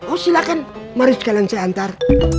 oh silahkan mari sekalian saya antar